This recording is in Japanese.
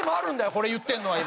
これ言ってるのは今。